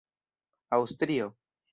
aŭstrio